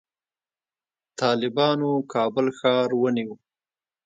طالبانو کابل ښار ونیو